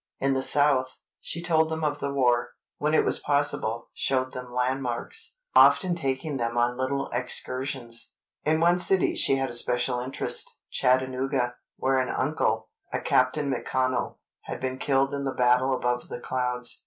In the South, she told them of the war; when it was possible, showed them landmarks, often taking them on little excursions. In one city she had a special interest: Chattanooga, where an uncle, a Captain McConnell, had been killed in the battle above the clouds.